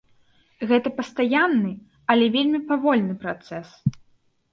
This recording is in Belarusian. Гэта пастаянны, але вельмі павольны працэс.